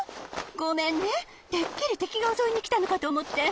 ごめんねてっきりてきがおそいにきたのかとおもって。